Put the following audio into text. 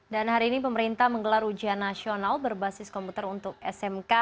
dan hari ini pemerintah menggelar ujian nasional berbasis komputer untuk smk